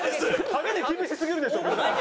ハゲに厳しすぎるでしょ。